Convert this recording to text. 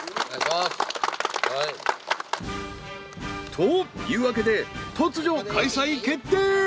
というわけで突如開催決定！